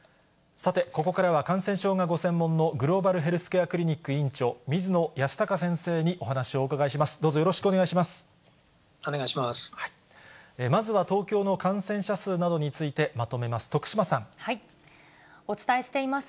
さて、ここからは感染症がご専門の、グローバルヘルスケアクリニック院長、水野泰孝先生にお話をお伺いします。